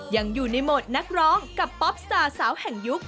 ยังอยู่ในโหมดนักร้องกับป๊อปสตาร์สาวแห่งยุค